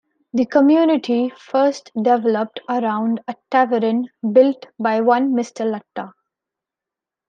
The community first developed around a tavern built by one Mr. Latta.